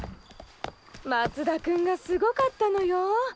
松田君がすごかったのよ。